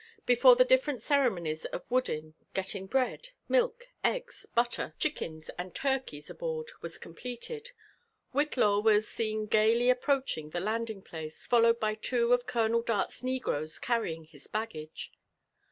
Before the difierent ceremonies of wooding, getting bread, milk, eggs, butter. JONATHAN J^FERSON WHITLAW. 161 chickens, and turkeys aboard, was completed, Whitlaw was seen gaily approaching the landing place, followed by two of Colonel Dart's negroes carrying his baggage.